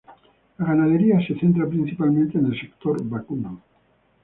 La ganadería se centra principalmente en el sector vacuno.